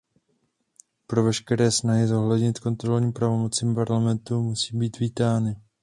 Proto veškeré snahy zohlednit kontrolní pravomoci Parlamentu musí být vítány.